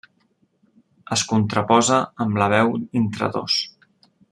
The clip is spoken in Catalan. Es contraposa amb la veu intradós.